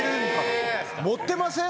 盛ってません？